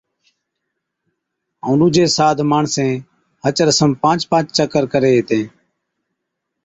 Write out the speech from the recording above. ائُون ڏُوجين ساڌ ماڻسين ھچ رسم پانچ پانچ چڪر ڪرين ھِتين